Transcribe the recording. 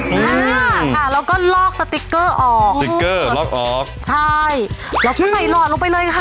อ่าค่ะแล้วก็ลอกสติ๊กเกอร์ออกสติ๊กเกอร์ลอกออกใช่ล็อกที่ใส่หลอดลงไปเลยค่ะ